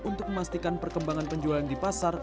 untuk memastikan perkembangan penjualan di pasar